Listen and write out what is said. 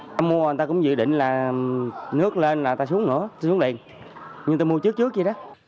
mua người ta cũng dự định là nước lên là người ta xuống ngửa xuống liền nhưng tôi mua trước trước vậy đó